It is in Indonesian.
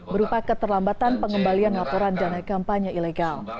berupa keterlambatan pengembalian laporan dana kampanye ilegal